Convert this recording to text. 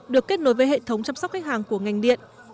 được kết nối với hệ thống chăm sóc khách hàng của ngành điện